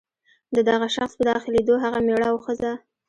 د دغه شخص په داخلېدو هغه مېړه او ښځه.